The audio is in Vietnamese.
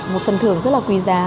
một phần thưởng rất là quý giá